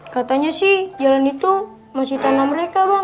katanya sih jalan itu masih tanah mereka bang